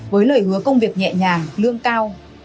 với lời hứa công việc nhẹ nhàng lương cao